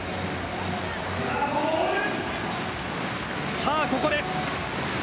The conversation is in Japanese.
さあ、ここです。